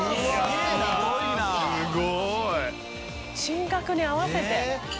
進学に合わせて。